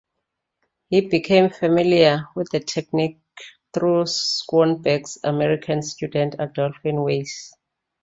He became familiar with the technique through Schoenberg's American student Adolph Weiss.